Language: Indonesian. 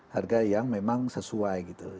harga yang memang sesuai